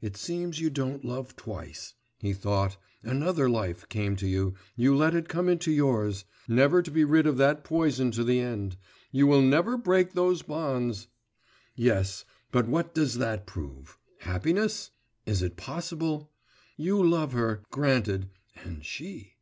'It seems you won't love twice,' he thought; 'another life came to you, you let it come into yours never to be rid of that poison to the end, you will never break those bonds! Yes; but what does that prove? Happiness?... Is it possible? You love her, granted ... and she